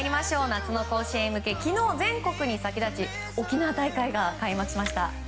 夏の甲子園に向け昨日全国に先立ち開幕しました。